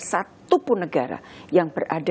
satupun negara yang berada